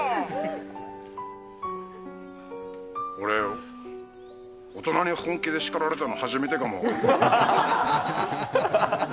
俺、大人に本気で叱られたの、初めてかも。